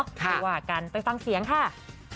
ค่ะดีกว่ากันไปฟังเสียงค่ะ